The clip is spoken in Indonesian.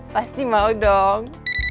pasti mau dong